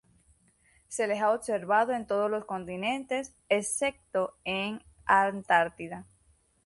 Se les ha observado en todos los continentes excepto en la Antártida.